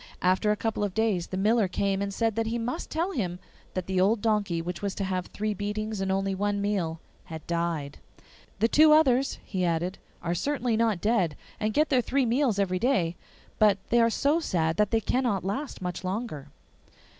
After a couple of days the miller came and said that he must tell him that the old donkey which was to have three beatings and only one meal had died. 'The two others,' he added, 'are certainly not dead, and get their three meals every day, but they are so sad that they cannot last much longer.